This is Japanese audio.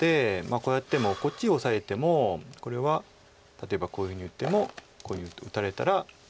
こうやってもこっちをオサえてもこれは例えばこういうふうに打ってもこういうふうに打たれたら。